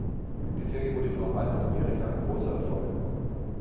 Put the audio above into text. Die Serie wurde vor allem in Amerika ein großer Erfolg.